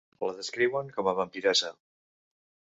La descriuen com a vampiressa.